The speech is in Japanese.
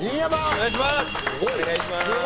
お願いします。